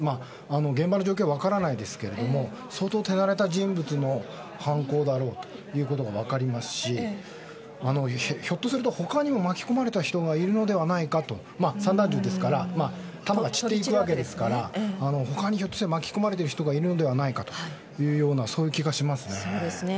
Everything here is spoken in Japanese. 現場の状況は分からないですけれども相当、手慣れた人物の犯行だろうということが分かりますしひょっとすると他にも巻き込まれた人がいるのではないかと散弾銃ですから弾が散っていくわけですから他にひょっとしたら巻き込まれている人がいるのではないかとそういう気がしますね。